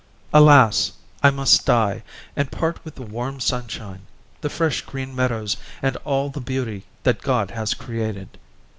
Alas! I must die, and part with the warm sunshine, the fresh green meadows, and all the beauty that God has created."